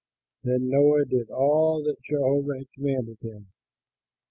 Then Noah did all that Jehovah commanded him.